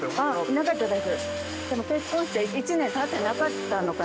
なかったです。